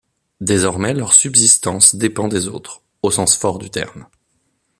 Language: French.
Désormais, leur subsistance dépend des autres - au sens fort du terme...